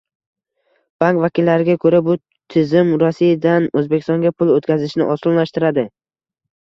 Bank vakillariga ko'ra, bu tizim Rossiyadan O'zbekistonga pul o'tkazishni osonlashtiradi